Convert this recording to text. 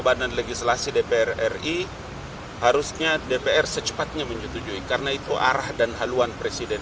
badan legislasi dpr ri harusnya dpr secepatnya menyetujui karena itu arah dan haluan presiden